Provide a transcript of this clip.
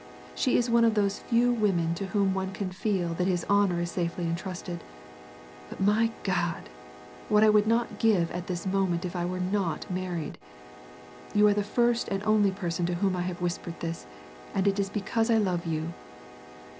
She is one of those few women to whom one can feel tha,t his honor is safely entrusted ; but, my God ! what would I not give at this moment if I were not married ! You are the first and only person to whom I have whispered this, and it is because I love you."